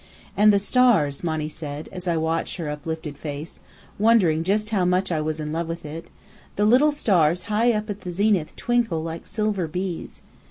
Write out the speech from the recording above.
"And the stars," Monny said, as I watched her uplifted face, wondering just how much I was in love with it, "the little stars high up at the zenith twinkle like silver bees.